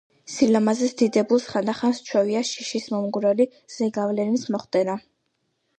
სილამაზეს დიდებულს ხანდახან სჩვევია შიშისმომგვრელი ზეგავლენის მოხდენა.